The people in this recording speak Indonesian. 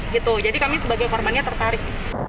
jadi kami sebagai korbannya tertarik